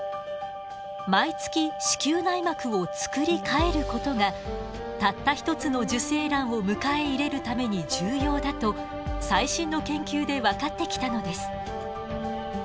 毎月子宮内膜を作り変えることがたった一つの受精卵を迎え入れるために重要だと最新の研究で分かってきたのです。